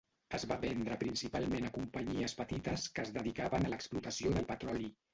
Es va vendre principalment a companyies petites que es dedicaven a l’explotació del petroli.